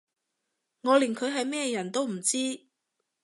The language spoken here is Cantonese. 我連佢係咩人都唔知